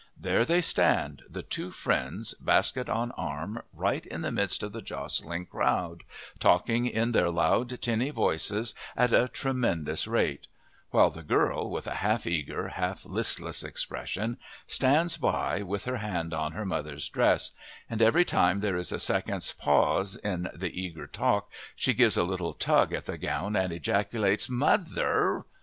There they stand, the two friends, basket on arm, right in the midst of the jostling crowd, talking in their loud, tinny voices at a tremendous rate; while the girl, with a half eager, half listless expression, stands by with her hand on her mother's dress, and every time there is a second's pause in the eager talk she gives a little tug at the gown and ejaculates "Mother!"